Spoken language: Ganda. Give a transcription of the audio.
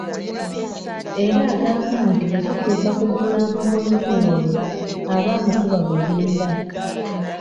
Era agamba nti bwe kituuka ku gulaama w'olulimi olwo aba amukuba buddinda.